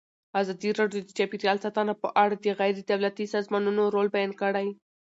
ازادي راډیو د چاپیریال ساتنه په اړه د غیر دولتي سازمانونو رول بیان کړی.